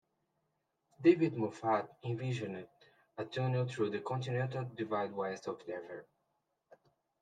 David Moffat envisioned a tunnel through the continental divide west of Denver.